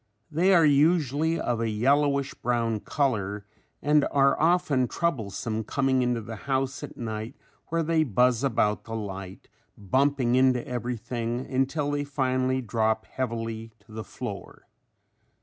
They are usually of a yellowish brown color and are often troublesome coming into the house at night where they buzz about the light, bumping into everything until they finally drop heavily to the floor.